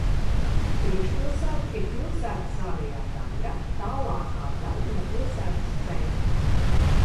Priekšpilsēta ir pilsētas ārējā daļa, tālākā daļa no pilsētas centra.